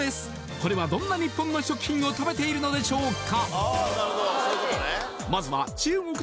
これはどんな日本の食品を食べているのでしょうか？